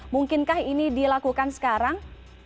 mungkinkah ini dilakukan sekarang